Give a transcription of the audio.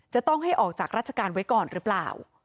จะต้องให้ออกจากราชการไว้ก่อนหรือเปล่า